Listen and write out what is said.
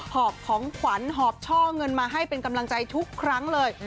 หอบของขวัญหอบช่อเงินมาให้เป็นกำลังใจทุกครั้งเลย